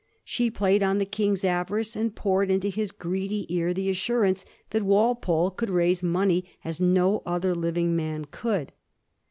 She played on the King's avarice, and poured into his greedy ear the assurance that Walpole could raise money as no other living man could.